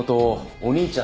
お兄ちゃん！？